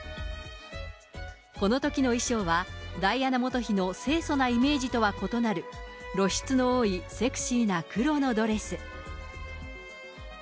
このときの衣装は、ダイアナ元妃のせいそなイメージとは異なる露出の多いセクシーな黒のドレス。